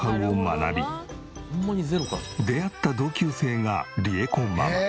出会った同級生がりえこママ。